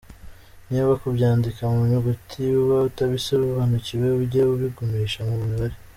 Niba kubyandika mu nyuguti uba utabisobanukiwe ujye ubigumisha mu mibare.